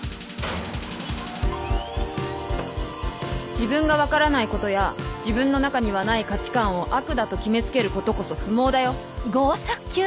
自分が分からないことや自分の中にはない価値観を悪だと決め付けることこそ不毛だよ。